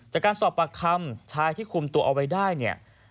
จากการสอบปากคำชายที่คุมตัวเอาไว้ได้เนี่ย